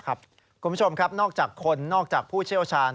คุณผู้ชมครับนอกจากคนนอกจากผู้เชี่ยวชาญ